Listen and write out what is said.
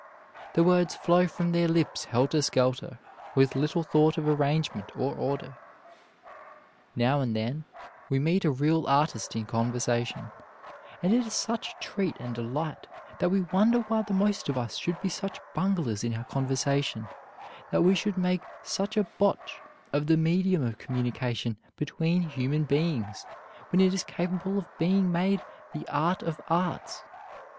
The words flow from their lips helter skelter, with little thought of arrangement or order. Now and then we meet a real artist in conversation, and it is such a treat and delight that we wonder why the most of us should be such bunglers in our conversation, that we should make such a botch of the medium of communication between human beings, when it is capable of being made the art of arts.